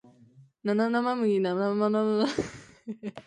七生麦七生米七生卵